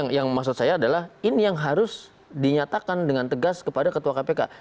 yang maksud saya adalah ini yang harus dinyatakan dengan tegas kepada ketua kpk